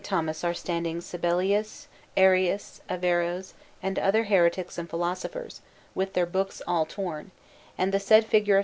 Thomas are standing Sabellius, Arius, Averroes, and other heretics and philosophers, with their books all torn; and the said figure of S.